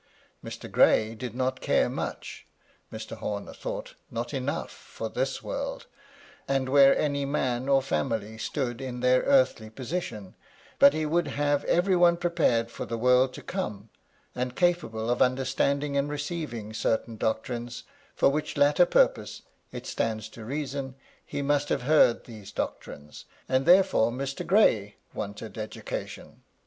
Mr. Gray did not care much, — Mr. Homer thought not enough, — for this world, and where any man or family stood in their earthly position ; but he would have every one prepared for the world to come, and capable of understanding and receiving certain doc trines, for which latter purpose, it stands to reason, he must have heard of these doctrines ; and therefore Mr. Gray wanted education.